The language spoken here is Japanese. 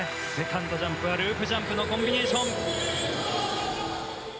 セカンドジャンプはループジャンプのコンビネーション。